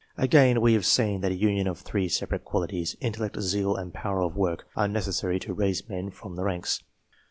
Again, we have seen that a union of three separate qualities intellect, zeal, and power of work are necessary to raise men from the ranks.